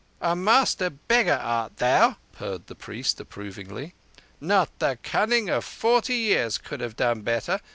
"A master beggar art thou," purred the priest approvingly. "Not the cunning of forty years could have done better.